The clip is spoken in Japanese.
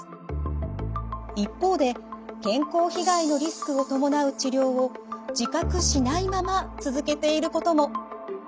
一方で健康被害のリスクを伴う治療を自覚しないまま続けていることも。